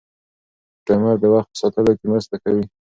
ټایمر د وخت په ساتلو کې مرسته کوي.